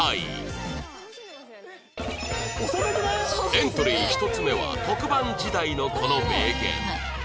エントリー１つ目は特番時代のこの名言